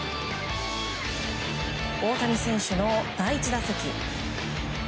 大谷選手の第１打席。